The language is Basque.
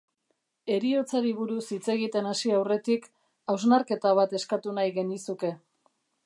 Heriotzari buruz hitz egiten hasi aurretik hausnarketa bat eskatu nahi genizuke.